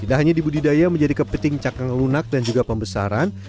tidak hanya di budidaya menjadi kepiting cakang lunak dan juga pembesaran